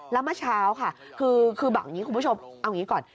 แล้วเมื่อเช้าค่ะคือบางอย่างนี้คุณผู้ชมเอาอย่างนี้ก่อน